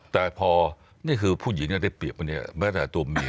แต่พอนี่คือผู้หญิงได้เปรียบมาเมื่อแต่ตัวเมีย